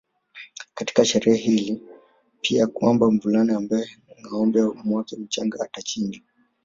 katika sherehe hii pia kwamba mvulana ambaye ngâombe wake mchanga atachinjwa